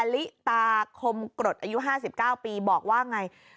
ลิตาคมกรดอายุ๕๙ปีบอกว่าไง